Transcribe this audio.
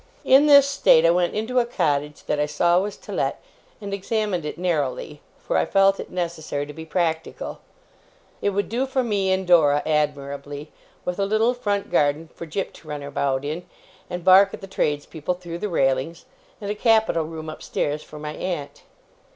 In this state, I went into a cottage that I saw was to let, and examined it narrowly, for I felt it necessary to be practical. It would do for me and Dora admirably: with a little front garden for Jip to run about in, and bark at the tradespeople through the railings, and a capital room upstairs for my aunt.